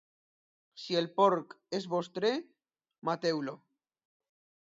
Si el porc és vostre, mateu-lo.